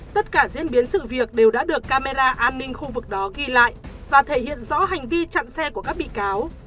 tất cả diễn biến sự việc đều đã được camera an ninh khu vực đó ghi lại và thể hiện rõ hành vi chặn xe của các bị cáo